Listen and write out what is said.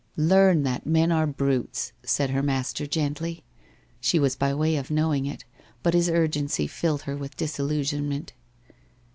' Learn that men are brutes/ said her master gently. She was by way of knowing it, but his urgency filled her with disillusionment.